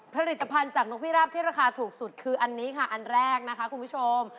ผลิตภัณฑ์จากนกพิราบที่ราคาถูกสุดคืออันนี้ค่ะอันแรกนะคะคุณผู้ชม